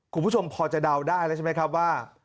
คุณผู้ชมพอจะเดาได้แล้วใช่ไหมครับว่า